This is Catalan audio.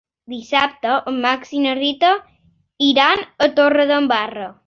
Dissabte en Max i na Rita iran a Torredembarra.